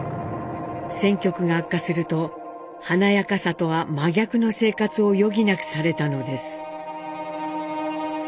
戦局が悪化すると華やかさとは真逆の生活を余儀なくされたのです。